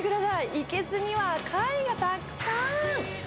いけすには貝がたくさん。